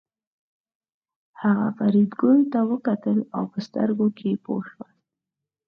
هغه فریدګل ته وکتل او په سترګو کې پوه شول